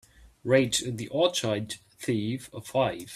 Rate The Orchid Thief a five